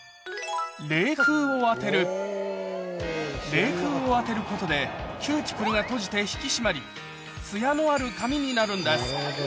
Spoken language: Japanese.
冷風を当てることでキューティクルが閉じて引き締まりツヤのある髪になるんです